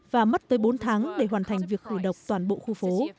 và mất tới bốn tháng để hoàn thành việc khử độc toàn bộ khu phố